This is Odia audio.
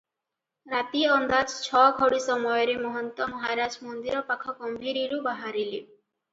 ରାତି ଅନ୍ଦାଜ ଛ ଘଡ଼ି ସମୟରେ ମହନ୍ତ ମହାରାଜ ମନ୍ଦିର ପାଖ ଗମ୍ଭୀରିରୁ ବାହାରିଲେ ।